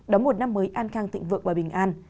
đóng một năm mới an khang thịnh vượng và bình an